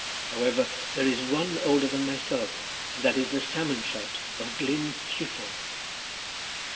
However, there is one older than myself, and that is the salmon trout of Glyn Llifon.